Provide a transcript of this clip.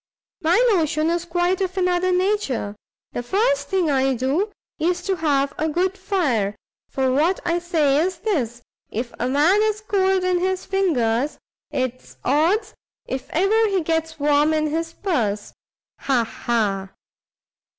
My notion is quite of another nature; the first thing I do is to have a good fire; for what I say is this, if a man is cold in his fingers, it's odds if ever he gets warm in his purse! ha! ha!